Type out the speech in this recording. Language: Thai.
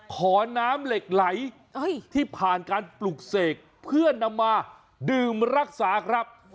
ขอน้ำเหล็กไหลที่ผ่านการปลุกเสกเพื่อนำมาดื่มรักษาครับ